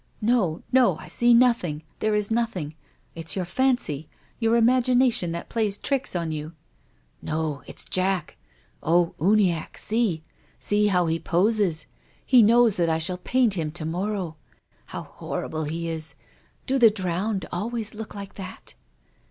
" No, no, I see nothing; there is nothing. It's your fancy, your imagination that plays tricks on you. " No, it's Jack. Oh, Uniacke, sec — see how he poses ! He knows that I shall paint him to morrow. How horrible he is ! Do the drowned always look like that